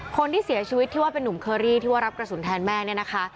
คนที่เสียชีวิตที่ว่าเป็นนุ่มเคอรี่ที่ว่ารับกระสุนแทนแม่เนี่ยนะคะ